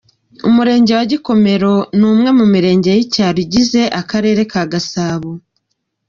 Umurenge wa Gikomero, ni umwe mu Mirenge y’icyaro igize Akarere ka Gasabo.